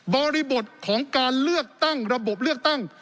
บริบทของการเลือกตั้งระบบเลือกตั้ง